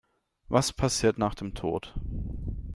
Was passiert nach dem Tod?